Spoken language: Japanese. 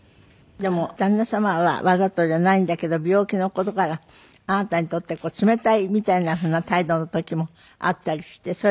でも旦那様はわざとじゃないんだけど病気の事からあなたにとって冷たいみたいなふうな態度の時もあったりして。